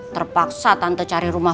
terpaksa tante cari rumah